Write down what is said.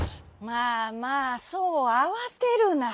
「まあまあそうあわてるな」。